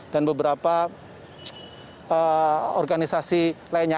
dan beberapa organisasi lainnya